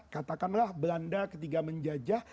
katakanlah belanda ketika menjajah